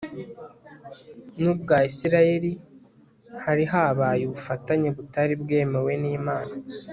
nubwa Isirayeli hari habaye ubufatanye butari bwemewe nImana